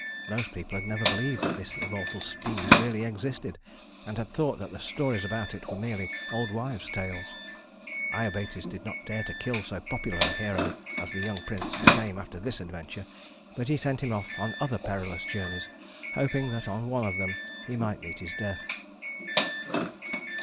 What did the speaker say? Most people had never believed that this immortal steed really existed, and had thought that the stories about it were merely old wives' tales. Iobates did not dare to kill so popular a hero as the young prince became after this adventure, but he sent him off on other perilous journeys, hoping that on one of them he might meet his death.